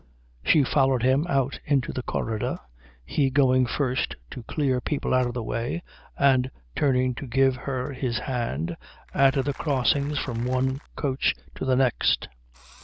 She followed him out into the corridor, he going first to clear people out of the way and turning to give her his hand at the crossings from one coach to the next.